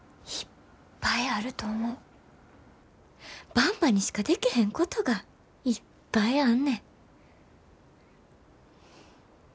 ばんばにしかでけへんことがいっぱいあんねん。